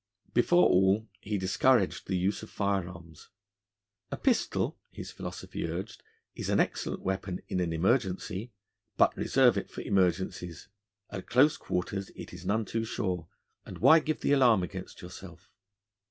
Before all, he discouraged the use of firearms. 'A pistol,' his philosophy urged, 'is an excellent weapon in an emergency, but reserve it for emergencies. At close quarters it is none too sure; and why give the alarm against yourself?'